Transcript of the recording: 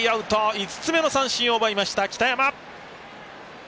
５つ目の三振を奪いました、北山。